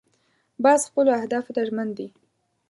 باز خپلو اهدافو ته ژمن دی